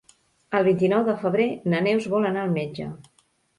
El vint-i-nou de febrer na Neus vol anar al metge.